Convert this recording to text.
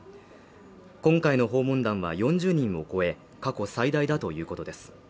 今回の訪問団は４０人を超え過去最大だということです